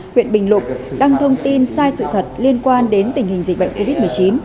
huyện bình lục đăng thông tin sai sự thật liên quan đến tình hình dịch bệnh covid một mươi chín